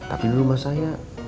tapi di rumah saya